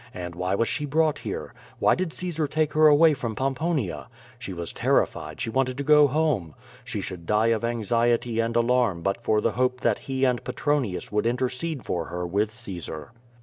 and why was she brought here? Why did Caesar take her away from Pom ponia? She was terrified, she wanted to go home. She should die of anxiety and alarm but for the hope that he and Petronius would intercede for her with Caejar.